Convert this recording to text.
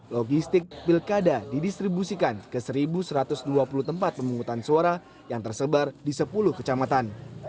logistik pilkada didistribusikan ke satu satu ratus dua puluh tempat pemungutan suara yang tersebar di sepuluh kecamatan